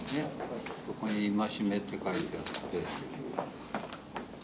ここに「戒」って書いてあって。